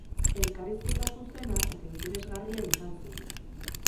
Elkarrizketa zuzena eta interesgarria izan zen.